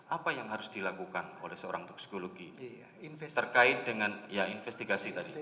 apa yang harus dilakukan oleh seorang toksikologi terkait dengan ya investigasi tadi